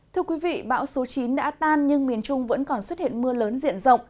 thưa quý vị bão số chín đã tan nhưng miền trung vẫn còn xuất hiện mưa lớn diện rộng